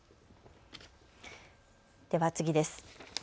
では次です。